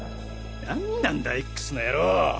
何なんだＸの野郎！